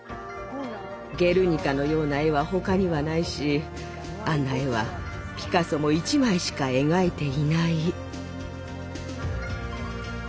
「ゲルニカ」のような絵は他にはないしあんな絵はピカソも１枚しか描いていない。